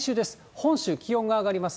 本州、気温が上がります。